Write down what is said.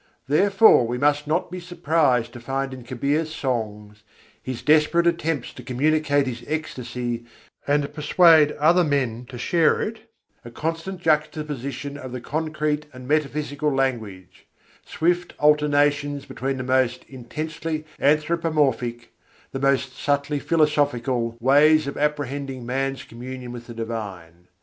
Therefore we must not be surprised to find in Kabîr's songs his desperate attempts to communicate his ecstasy and persuade other men to share it a constant juxtaposition of concrete and metaphysical language; swift alternations between the most intensely anthropomorphic, the most subtly philosophical, ways of apprehending man's communion with the Divine.